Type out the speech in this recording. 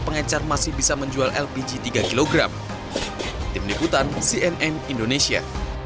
pengecar masih bisa menjual lpg tiga kg tim liputan cnn indonesia